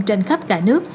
trên khắp cả nước